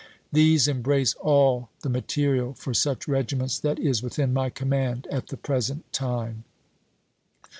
These embrace all the material for such regiments that is within my command at the present time."